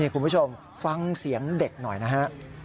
คุณผู้ชมฟังเสียงเด็กหน่อยนะฮะ